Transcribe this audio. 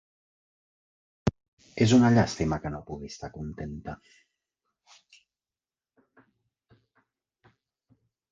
És una llàstima que no pugui estar contenta.